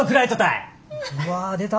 うわ出た。